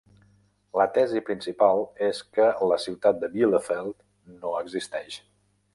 La tesi principal és que la ciutat de Bielefeld no existeix.